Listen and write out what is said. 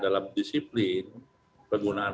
dalam disiplin penggunaan